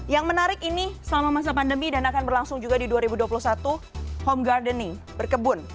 yang menarik ini selama masa pandemi dan akan berlangsung juga di dua ribu dua puluh satu home gardening berkebun